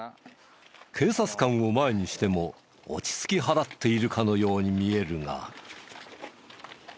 警察官を前にしても落ち着き払っているかのように見えるが。